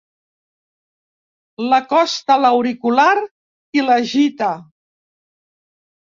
L'acosta a l'auricular i l'agita.